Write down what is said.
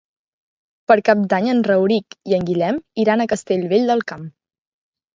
Per Cap d'Any en Rauric i en Guillem iran a Castellvell del Camp.